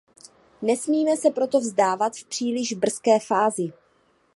Nesmíme se proto vzdávat v příliš brzké fázi.